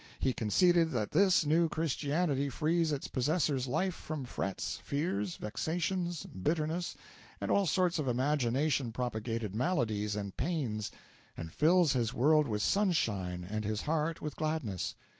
He conceded that this new Christianity frees its possessor's life from frets, fears, vexations, bitterness, and all sorts of imagination propagated maladies and pains, and fills his world with sunshine and his heart with gladness.